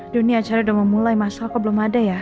aduh ini acara udah mau mulai masal kok belum ada ya